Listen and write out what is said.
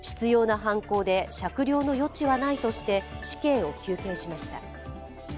犯行で酌量の余地はないとして死刑を求刑しました。